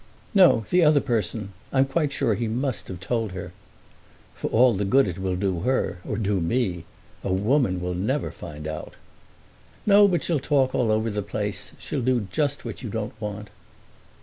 "No, the other person. I'm quite sure he must have told her." "For all the good it will do her—or do me! A woman will never find out." "No, but she'll talk all over the place: she'll do just what you don't want."